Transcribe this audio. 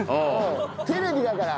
テレビだから。